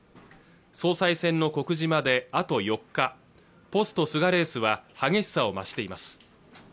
総裁選の告示まであと４日ポスト菅レースは激しさを増しています